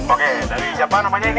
oke dari siapa namanya ini